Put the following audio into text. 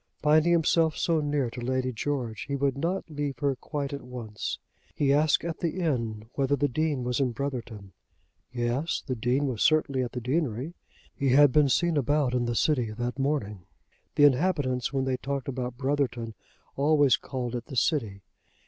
Finding himself so near to Lady George, he would not leave her quite at once. He asked at the inn whether the Dean was in Brotherton. Yes; the Dean was certainly at the deanery. He had been seen about in the city that morning. The inhabitants, when they talked about Brotherton, always called it the city.